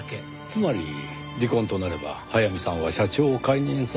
つまり離婚となれば速水さんは社長を解任される恐れがある？